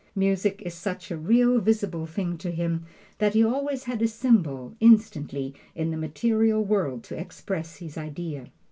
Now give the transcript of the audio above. Music is such a real, visible thing to him that he always has a symbol, instantly, in the material world to express his idea.